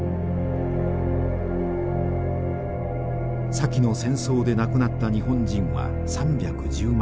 さきの戦争で亡くなった日本人は３１０万人。